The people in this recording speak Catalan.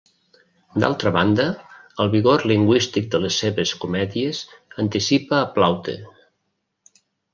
D'altra banda, el vigor lingüístic de les seves comèdies anticipa a Plaute.